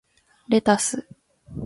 レタス